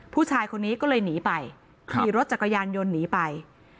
ผู้ชายคนนี้ก็เลยหนีไปขี่รถจักรยานยนต์หนีไป